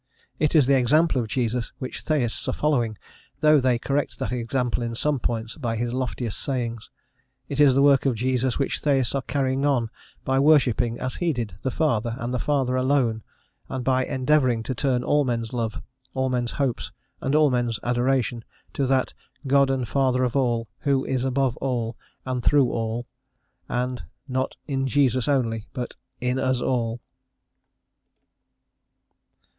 It is the example of Jesus which Theists are following, though they correct that example in some points by his loftiest sayings. It is the work of Jesus which Theists are carrying on, by worshipping, as he did, the Father, and the Father alone, and by endeavouring to turn all men's love, all men's hopes, and all men's adoration, to that "God and Father of all, who is above all, and through all, and," not in Jesus only, but "in us all."